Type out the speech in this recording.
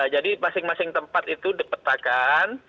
jadi masing masing tempat itu dipetakan